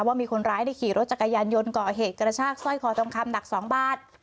ว่ามีคนร้ายได้ขี่รถจักรยานยนต์ก่อเหตุกระชากสร้อยคอทองคำหนัก๒บาท